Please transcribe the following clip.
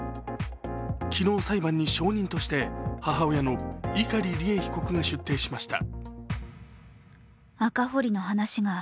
昨日裁判に承認として母親の碇利恵被告が出廷しました。